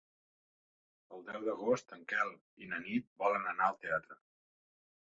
El deu d'agost en Quel i na Nit volen anar al teatre.